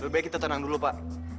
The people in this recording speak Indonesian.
lebih baik kita tenang dulu pak